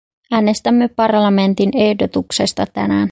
Äänestämme parlamentin ehdotuksesta tänään.